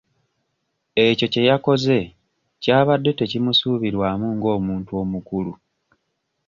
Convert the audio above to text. Ekyo kye yakoze kyabadde tekimusuubirwamu nga omuntu omukulu.